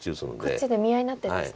こっちで見合いになってるんですね。